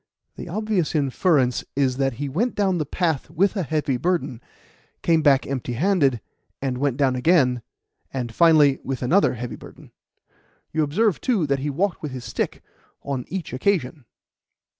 The obvious inference is that he went down the path with a heavy burden, came back empty handed, and went down again and finally with another heavy burden. You observe, too, that he walked with his stick on each occasion."